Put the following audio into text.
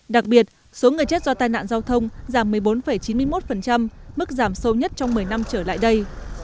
đặc biệt số người chết do tai nạn giao thông giảm một mươi bốn chín mươi một mức giảm sâu nhất trong một mươi năm trở lại đây